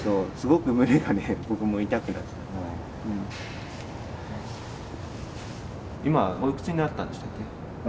なんか考えると今おいくつになったんでしたっけ？